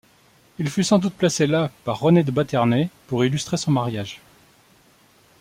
Il fut sans doute placé là par René de Bathernay pour illustrer son mariage.